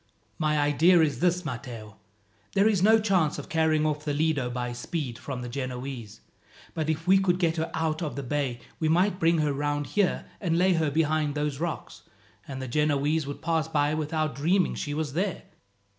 "My idea is this, Matteo. There is no chance of carrying off the Lido by speed from the Genoese; but if we could get her out of the bay we might bring her round here and lay her behind those rocks, and the Genoese would pass by without dreaming she was there.